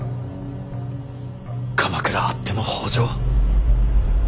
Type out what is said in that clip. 鎌倉あっての北条。